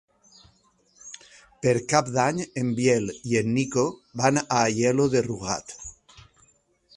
Per Cap d'Any en Biel i en Nico van a Aielo de Rugat.